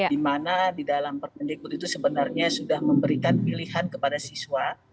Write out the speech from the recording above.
di mana di dalam permendikbud itu sebenarnya sudah memberikan pilihan kepada siswa